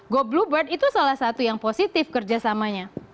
go bluebird itu salah satu yang positif kerjasamanya